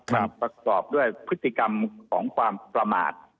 มันประกอบด้วยพฤติกรรมของความประมาท